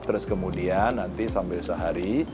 terus kemudian nanti sambil sehari